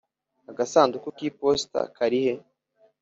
agasanduku k'iposita kari he